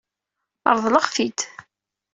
Reḍleɣ-t-id.